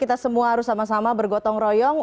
kita semua harus sama sama bergotong royong